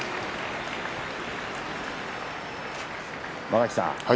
間垣さん